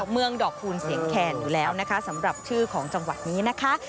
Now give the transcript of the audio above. เมืองดอกคูณเสียงแคนอยู่แล้วนะคะสำหรับชื่อของจังหวัดนี้นะคะ